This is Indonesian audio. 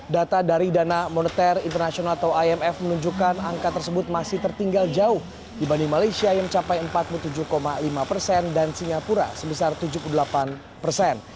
data dari dana moneter internasional atau imf menunjukkan angka tersebut masih tertinggal jauh dibanding malaysia yang mencapai empat puluh tujuh lima persen dan singapura sebesar tujuh puluh delapan persen